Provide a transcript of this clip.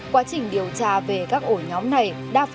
quá trình điều tra về các ổ nhóm này